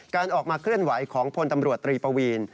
การออกมาเคลื่อนไหวของพลตำรวจตรีปวีน